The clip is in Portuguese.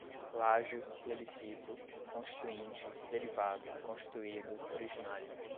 plágio, plebiscito, constituinte, derivado, constituído, originário